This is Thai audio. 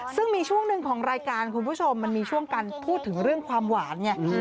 ซึ่งมีช่วงหนึ่งของรายการคุณผู้ชมมันมีช่วงการพูดถึงเรื่องความหวานไง